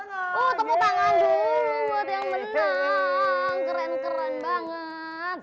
oh tepuk tangan dong buat yang menang keren keren banget